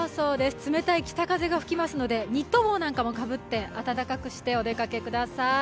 冷たい北風が吹きますのでにっと帽などもかぶって暖かくしてお出かけください。